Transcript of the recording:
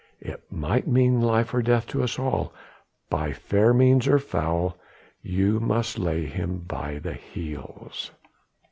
It might mean life or death to us all. By fair means or foul you must lay him by the heels."